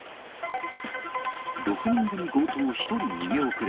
６人組強盗、１人逃げ遅れ。